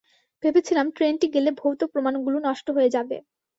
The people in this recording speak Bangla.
ভেবেছিলাম ট্রেনটি গেলে ভৌত প্রমানগুলো নষ্ট হয়ে যাবে।